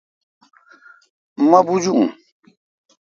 مہ بوجون۔